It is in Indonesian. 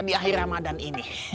di akhir ramadhan ini